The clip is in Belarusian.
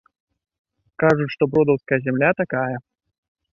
Кажуць, што бродаўская зямля такая.